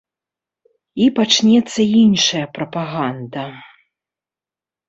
І пачнецца іншая прапаганда.